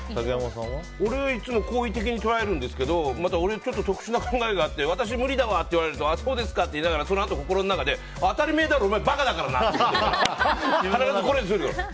俺はいつも好意的に捉えるんですけどまた俺、特殊な考えがあって私、無理だわって言われるとあ、そうですかって言いながらそのあと心の中で当たり前だろお前、馬鹿だからな！って。